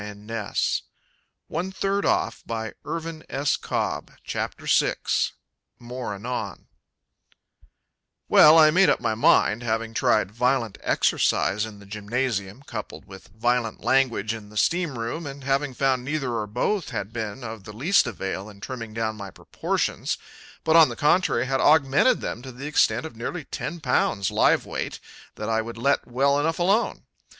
Of the Great Reduction more anon. CHAPTER VI More Anon Well, I made up my mind, having tried violent exercise in the gymnasium, coupled with violent language in the steam room, and having found neither or both had been of the least avail in trimming down my proportions, but on the contrary had augmented them to the extent of nearly ten pounds, live weight, that I would let well enough alone.